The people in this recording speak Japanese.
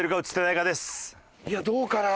いやどうかな？